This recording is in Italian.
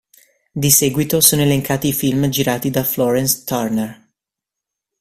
Di seguito sono elencati i film girati da Florence Turner